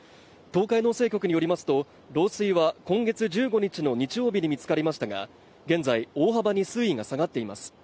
東海農政局によりますと漏水は今月１５日の日曜日に見つかりましたが現在大幅に水位が下がっています